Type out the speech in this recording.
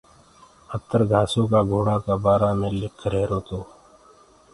اتر گھآسو ڪآ گھوڙآ ڪآ بآرآ مي لکرهيرو تو۔